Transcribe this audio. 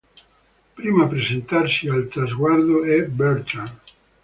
Primo a presentarsi al traguardo è Bertrand.